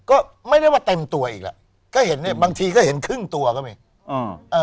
ก็ไม่ได้ว่าเต็มตัวอีกแล้วก็เห็นเนี้ยบางทีก็เห็นครึ่งตัวก็มีอืมอ่า